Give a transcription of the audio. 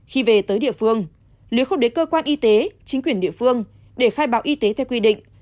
khi về tới địa phương nếu không đến cơ quan y tế chính quyền địa phương để khai báo y tế theo quy định